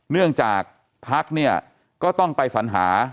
เนื่องจากพักเนี่ยก็ต้องไปสัญหา